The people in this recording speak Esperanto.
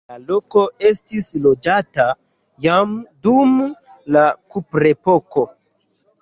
La loko estis loĝata jam dum la kuprepoko.